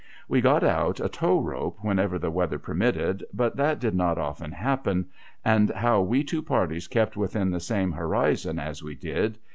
^\■ e got out a tow rope whenever the weather permitted, but that did not often happen, and how we two parties kept within the same horizon, as we did.